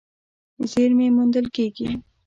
زېرمې موندل کېږي.